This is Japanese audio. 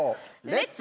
レッツ！